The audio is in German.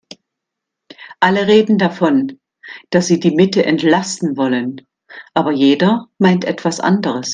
Alle reden davon, dass sie die Mitte entlasten wollen, aber jeder meint etwas anderes.